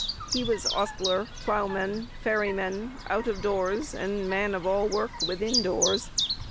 He was hostler, ploughman, ferryman, out of doors, and man of all work within doors.